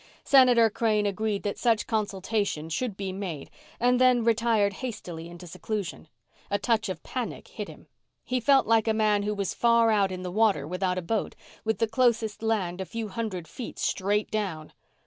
Senator Crane agreed that such consultation should be made and then retired hastily into seclusion. A touch of panic hit him. He felt like a man who was far out in the water without a boat, with the closest land a few hundred feet straight down.